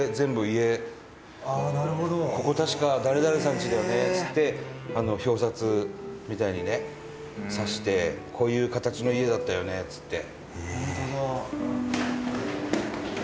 伊達：ここ、確か誰々さんちだよねっつって表札みたいにね、挿してこういう形の家だったよねっつって。